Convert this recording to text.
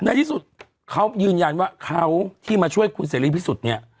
ในที่สุดเขายืนยันว่าเขาที่มาช่วยคุณเสรีพิสุทธิ์เนี่ย